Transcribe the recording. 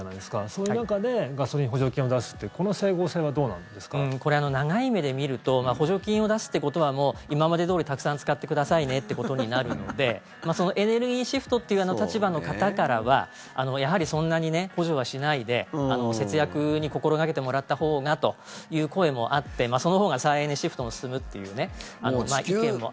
そういう中でガソリン補助金を出すという長い目で見ると補助金を出すってことは今までどおりたくさん使ってくださいねということになるのでそのエネルギーシフトという立場の方からはやはりそんなに補助はしないで節約に心掛けてもらったほうがという声もあってそのほうが再エネシフトも進むという。